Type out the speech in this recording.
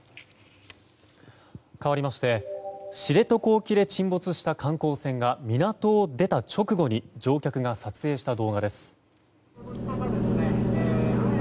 かわりまして知床沖で沈没した観光船が港を出た直後に乗客が撮影した動画です。